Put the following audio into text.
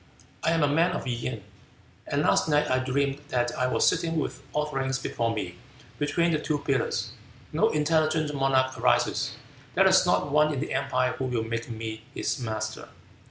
I am a man of Yin, and last night I dreamed that I was sitting, with offerings before me, between the two pillars. No intelligent monarch arises; there is not one in the empire who will make me his master.